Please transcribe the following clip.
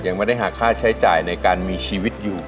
ยังไม่ได้หาค่าใช้จ่ายในการมีชีวิตอยู่